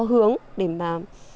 hướng để mà